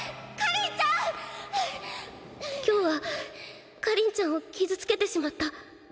「今日は夏凜ちゃんを傷つけてしまった。